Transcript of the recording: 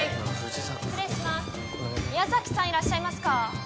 失礼します宮崎さんいらっしゃいますか？